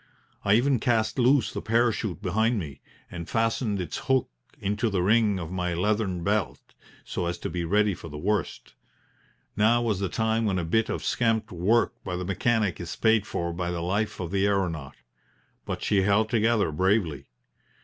I even cast loose the parachute behind me, and fastened its hook into the ring of my leathern belt, so as to be ready for the worst. Now was the time when a bit of scamped work by the mechanic is paid for by the life of the aeronaut. But she held together bravely.